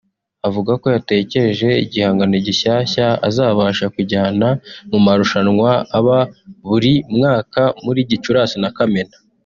Avuga ko yatekereje igihangano gishyashya azabasha kujyana mu marushanwa aba buri mwaka muri Gicurasi na Kamena